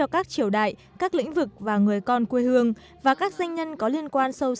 chất lượng công nghệ khá cao